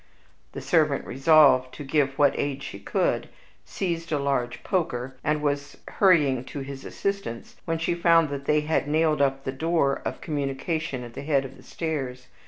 The servant resolved to give what aid she could, seized a large poker, and was hurrying to his assistance, when she found that they had nailed up the door of communication at the head of the stairs.